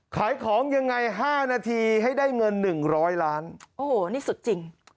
ขายของยังไงห้านาทีให้ได้เงินหนึ่งร้อยล้านโอ้โหนี่สุดจริง